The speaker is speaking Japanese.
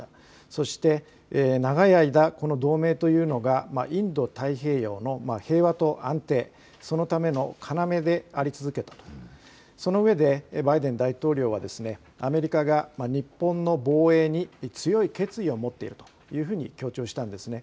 そして長い間、この同盟というのがインド太平洋の平和と安定、そのための要であり続けると、そのうえでバイデン大統領はアメリカが日本の防衛に強い決意を持っているというふうに強調したんです。